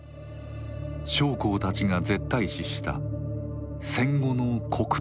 将校たちが絶対視した戦後の国体の護持。